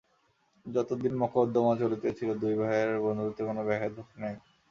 যতদিন মকদ্দমা চলিতেছিল, দুই ভাইয়ের বন্ধুত্বে কোনো ব্যাঘাত ঘটে নাই।